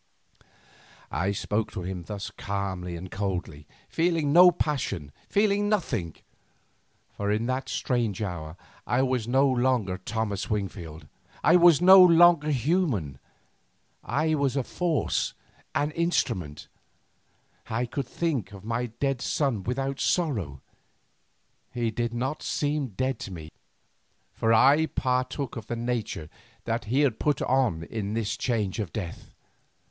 I spoke to him thus calmly and coldly, feeling no passion, feeling nothing. For in that strange hour I was no longer Thomas Wingfield, I was no longer human, I was a force, an instrument; I could think of my dead son without sorrow, he did not seem dead to me, for I partook of the nature that he had put on in this change of death.